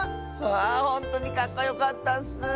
あほんとにかっこよかったッス！